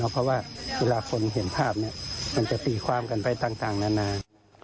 เพราะว่าเวลาคนเห็นภาพมันจะตีความกันไปต่างนานา